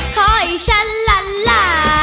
ขอให้ฉันล่ะล่ะ